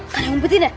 kalian ngumpetin deh